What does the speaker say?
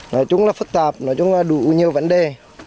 nói chung là phức tạp nói chung là đủ nhiều vấn đề